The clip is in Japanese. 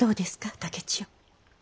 竹千代。